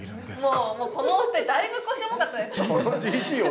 もうこのお二人だいぶ腰重かったです